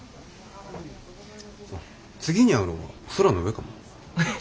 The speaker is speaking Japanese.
次に会うのは空の上かもな。